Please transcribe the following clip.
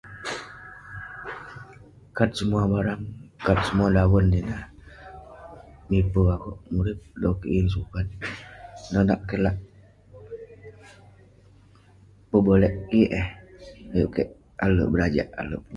kat semua barang, kat semua daven ineh mipe akeuk murip loh kik yeng sukat nonak kek lah. Pebolek kik eh ayuk kek alek berajak alek.